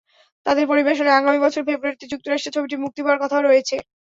তাদের পরিবেশনায় আগামী বছরের ফেব্রুয়ারিতে যুক্তরাষ্ট্রে ছবিটি মুক্তি পাওয়ার কথা রয়েছে।